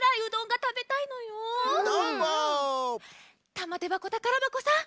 たまてばこたからばこさん